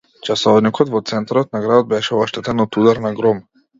Часовникот во центарот на градот беше оштетен од удар на гром.